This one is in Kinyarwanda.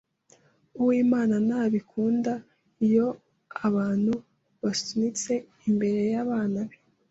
Uwimana ntabikunda iyo abantu basunitse imbere yabana be.